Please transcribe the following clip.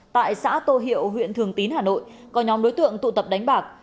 tại xã tô hiệu huyện thường tín hà nội có nhóm đối tượng tụ tập đánh bạc